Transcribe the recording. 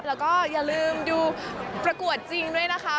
แล้วก็อย่าลืมดูประกวดจริงด้วยนะคะ